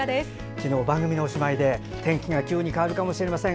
昨日、番組のおしまいで天気が急に変わるかもしれません。